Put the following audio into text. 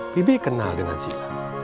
bibi kenal dengan sila